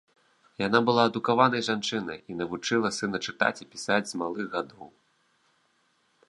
Яна была адукаванай жанчынай і навучыла сына чытаць і пісаць з малых гадоў.